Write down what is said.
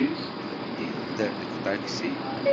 Teddiḍ-d deg uṭaksi?